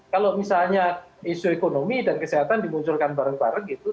kalau misalnya isu ekonomi dan kesehatan dimunculkan bareng bareng gitu